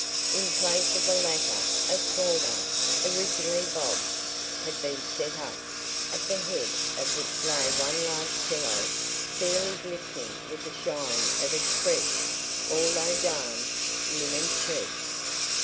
In place of the latter a small one originally Bob's had been set up, at the head of which lay one large pillow fairly glistening with the shine of its fresh, although darned, linen sheath.